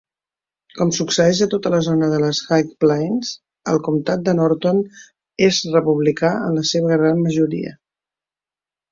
Com succeeix a tota la zona de les High Plains, el comtat de Norton és republicà en la seva gran majoria.